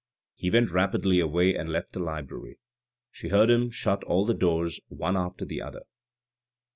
He went rapidly away and left the library ; she heard him shut all the doors one after the other.